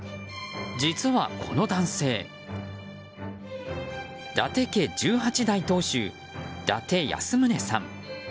実は、この男性伊達家十八代当主・伊達泰宗さん。